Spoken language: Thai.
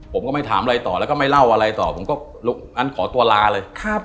ผมก็ไม่ถามอะไรต่อแล้วก็ไม่เล่าอะไรต่อผมก็งั้นขอตัวลาเลย